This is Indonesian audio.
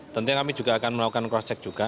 tentunya kami juga akan melakukan cross check juga